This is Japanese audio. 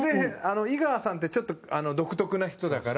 井川さんってちょっと独特な人だから。